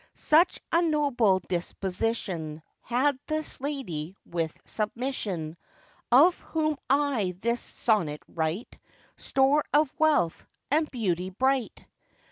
Such a noble disposition Had this lady, with submission, Of whom I this sonnet write, Store of wealth, and beauty bright.